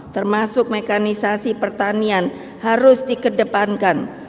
termasuk mekanisasi pertanian harus dikedepankan